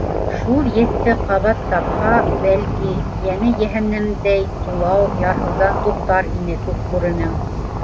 Шул Еҫте ҡабат тапһа, бәлки, йәне йәһәннәмдәй тулау-ярһыуҙан туҡтар ине Күкбүренең.